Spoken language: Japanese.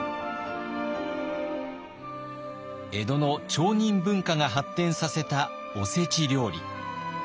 江戸の町人文化が発展させたおせち料理。